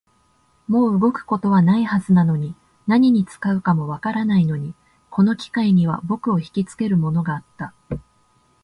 もう動くことはないはずなのに、何に使うかもわからないのに、この機械には僕をひきつけるものがあった